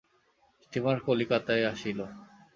Steamer কলিকাতায় আসিল।